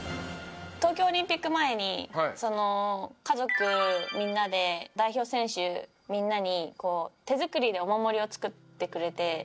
東京オリンピック前に家族みんなで代表選手みんなに手作りでお守りを作ってくれて。